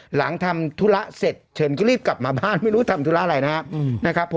หลังทำธุระเสร็จฉันก็รีบกลับมาบ้านไม่รู้ทำธุระอะไรนะครับผม